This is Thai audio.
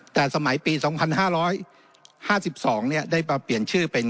แต่สมัยปี๒๕๕๒ได้เปลี่ยนชื่อเป็น